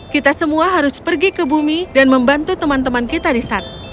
kita semua harus pergi ke bumi dan membantu teman teman kita di sana